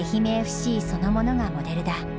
そのものがモデルだ。